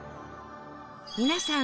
皆さん